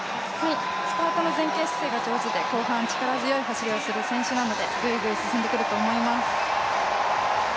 スタートの前傾姿勢が上手で、後半力強い走りをする選手なのでぐいぐい進んでくると思います。